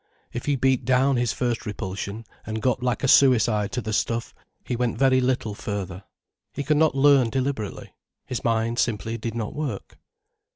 If he beat down his first repulsion, and got like a suicide to the stuff, he went very little further. He could not learn deliberately. His mind simply did not work.